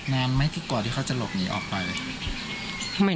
นานไหมที่ก่อนที่เขาจะหลบหนีออกไป